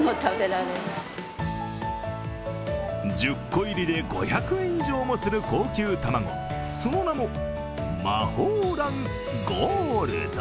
１０個入りで５００円以上もする高級卵、その名も磨宝卵ＧＯＬＤ。